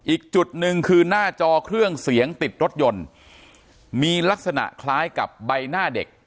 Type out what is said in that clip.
อีกจุดหนึ่งคือหน้าจอเครื่องเสียงติดรถยนต์มีลักษณะคล้ายกับใบหน้าเด็ก